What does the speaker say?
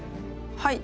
はい。